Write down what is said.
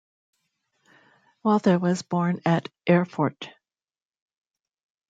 Walther was born at Erfurt.